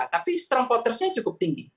tapi strong plotters nya cukup tinggi